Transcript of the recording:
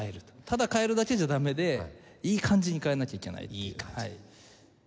ただ変えるだけじゃダメでいい感じに変えなきゃいけないっていう。